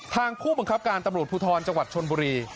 ผู้บังคับการตำรวจภูทรจังหวัดชนบุรี